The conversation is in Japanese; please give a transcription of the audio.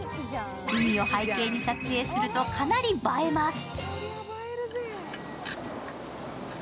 海を背景に撮影すると、かなり映えます。